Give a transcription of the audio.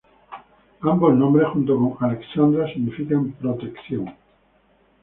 Ambos nombres, junto con "Alexandra", significan "protección".